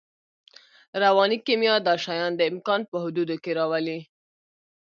رواني کیمیا دا شیان د امکان په حدودو کې راولي